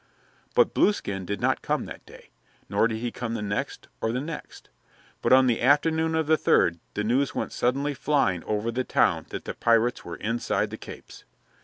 But Blueskin did not come that day, nor did he come the next or the next. But on the afternoon of the third the news went suddenly flying over the town that the pirates were inside the capes.